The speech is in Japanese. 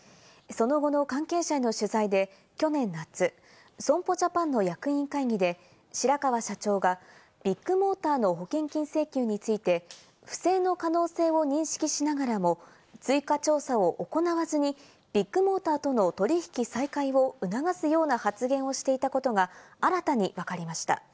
その後の関係者への取材で去年夏、損保ジャパンの役員会議で、白川社長がビッグモーターの保険金請求について、不正の可能性を認識しながらも追加調査を行わずにビッグモーターとの取引再開を促すような発言をしていたことが新たにわかりました。